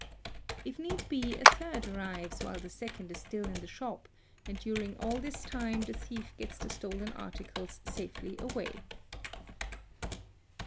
If need be a third arrives while the second is still in the shop, and during all this time the thief gets the stolen articles safely away.